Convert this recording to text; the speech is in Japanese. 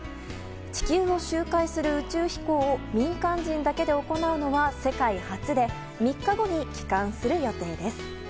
地球を周回する宇宙飛行を民間人だけで行うのは世界初で３日後に帰還する予定です。